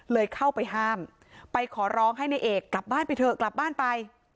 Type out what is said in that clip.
เข้าไปห้ามไปขอร้องให้นายเอกกลับบ้านไปเถอะกลับบ้านไป